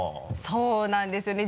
そうなんですよね。